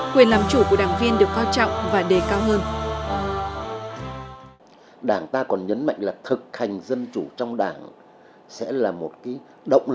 quyền làm chủ của đảng viên được coi trọng và đề cao hơn